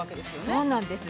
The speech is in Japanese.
◆そうなんです。